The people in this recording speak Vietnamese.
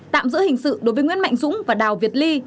tạm giữ hình sự đối với nguyễn mạnh dũng và đào việt ly